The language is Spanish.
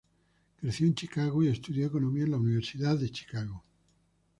Creció en Chicago y estudió economía en la Universidad de Chicago.